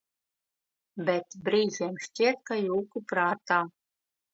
Bet brīžiem šķiet, ka jūku prātā.